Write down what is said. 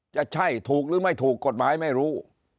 จะใช่ถูกหรือไม่ถูกกฎหมายไม่รู้